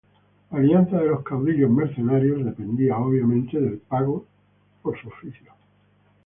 La alianza de los caudillos mercenarios dependía, obviamente, del pago por su oficio.